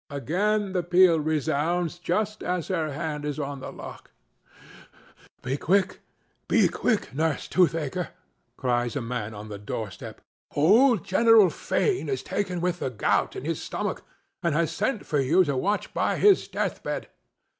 Again the peal resounds just as her hand is on the lock. "Be quick, Nurse Toothaker!" cries a man on the doorstep. "Old General Fane is taken with the gout in his stomach and has sent for you to watch by his death bed.